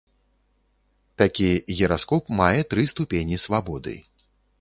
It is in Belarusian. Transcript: Такі гіраскоп мае тры ступені свабоды.